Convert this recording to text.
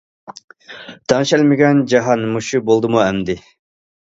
تەڭشەلمىگەن جاھان مۇشۇ بولدىمۇ ئەمدى؟!...